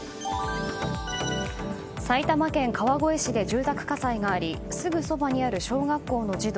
埼玉県川越市で住宅火災がありすぐそばにある小学校の児童